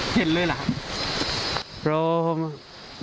เห็นเลยเหรอครับ